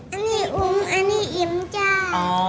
อันนี้อุ๋มอันนี้อิ่มเจ้า